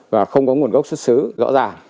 và không có nguồn gốc xuất xứ rõ ràng